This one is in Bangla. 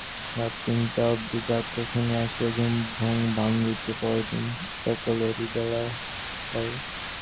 রাত তিনটা অবধি যাত্রা শুনিয়া আসিয়া ঘুম ভাঙিতে পরদিন সকলেরই বেলা হয়।